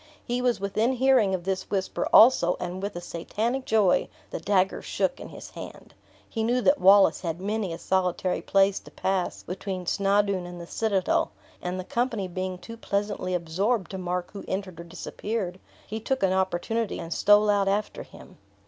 He was within hearing of this whisper also, and, with a Satanic joy, the dagger shook in his hand. He knew that Wallace had many a solitary place to pass between Snawdoun and the citadel; and the company being too pleasantly absorbed to mark who entered or disappeared, he took an opportunity, and stole out after him.